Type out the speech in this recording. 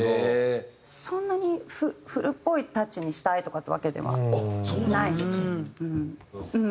そんなに古っぽいタッチにしたいとかってわけではないですね。